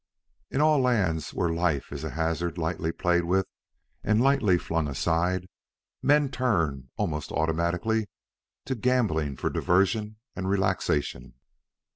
In all lands where life is a hazard lightly played with and lightly flung aside, men turn, almost automatically, to gambling for diversion and relaxation.